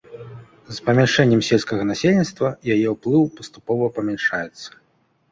З памяншэннем сельскага насельніцтва яе ўплыў паступова памяншаецца.